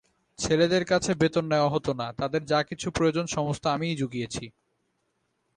ছেলেদের কাছে বেতন নেওয়া হত না, তাদের যা-কিছু প্রয়োজন সমস্ত আমিই জুগিয়েছি।